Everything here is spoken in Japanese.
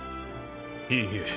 いいえ